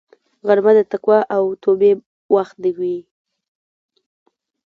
غرمه د تقوا او توبې وخت وي